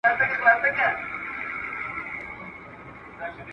چي سوالونه د رویبار په خوله لېږمه